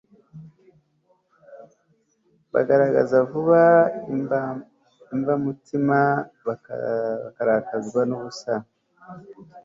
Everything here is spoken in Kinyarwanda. bagaragaza vuba imbamutima bakarakazwa nubusa